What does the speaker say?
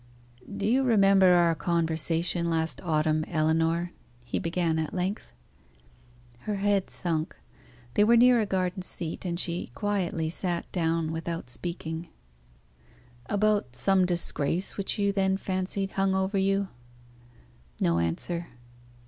"Do you remember our conversation last autumn, Ellinor?" he began at length. Her head sunk. They were near a garden seat, and she quietly sat down, without speaking. "About some disgrace which you then fancied hung over you?" No answer.